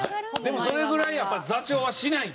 でもそれぐらいやっぱ座長はしないと。